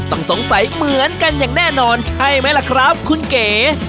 ต้องสงสัยเหมือนกันอย่างแน่นอนใช่ไหมล่ะครับคุณเก๋